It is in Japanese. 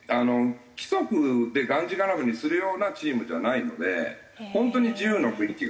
規則でがんじがらめにするようなチームじゃないので本当に自由の雰囲気があります。